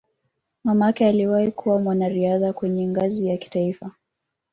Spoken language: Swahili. Mamake aliwahi kuwa mwanariadha kwenye ngazi ya kitaifa.